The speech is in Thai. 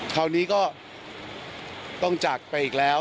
คราวนี้ก็ต้องจากไปอีกแล้ว